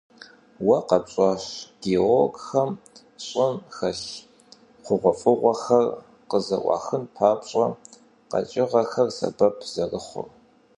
Уэ къэпщӀакӀэщ, геологхэм щӀым щӀэлъ хъугъуэфӀыгъуэхэр къызэӀуахын папщӀэ, къэкӀыгъэхэр сэбэп зэрыхъур.